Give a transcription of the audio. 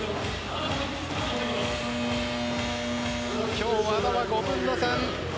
今日、和田は５分の３。